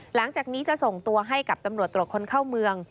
หลังจากนี้จะส่งตัวให้กับตำรวจตรวจคนเข้าเมือง